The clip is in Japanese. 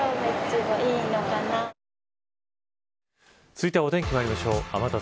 続いてはお天気にまいりましょう。